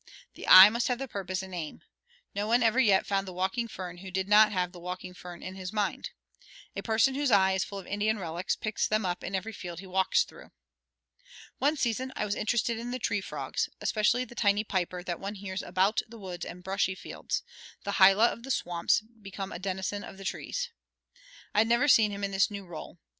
The eye must have purpose and aim. No one ever yet found the walking fern who did not have the walking fern in his mind. A person whose eye is full of Indian relics picks them up in every field he walks through. One season I was interested in the tree frogs; especially the tiny piper that one hears about the woods and brushy fields the hyla of the swamps become a denizen of the trees; I had never seen him in this new role.